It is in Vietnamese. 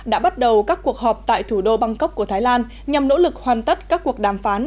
đã bắt đầu các cuộc họp tại thủ đô bangkok của thái lan nhằm nỗ lực hoàn tất các cuộc đàm phán